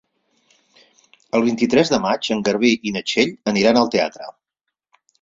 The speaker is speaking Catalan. El vint-i-tres de maig en Garbí i na Txell aniran al teatre.